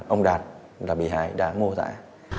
ông đạt là bị hải đã mua tại